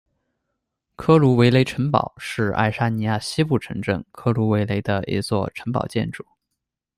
科卢维雷城堡是爱沙尼亚西部城镇科卢维雷的一座城堡建筑。